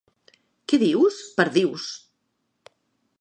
Què dius? —Perdius!